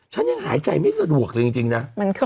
ฉันยังหายใจไม่สะดวกเลยจริงนะ